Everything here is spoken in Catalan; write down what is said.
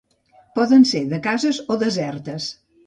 Poden ser de cases o desertes.